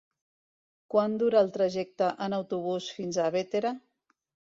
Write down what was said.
Quant dura el trajecte en autobús fins a Bétera?